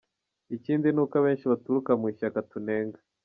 Ikindi ni uko abenshi baturuka mu ishyaka tunenga.